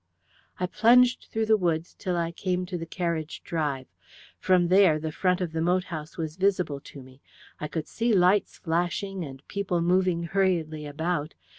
"I plunged through the woods till I came to the carriage drive. From there the front of the moat house was visible to me. I could see lights flashing, and people moving hurriedly about.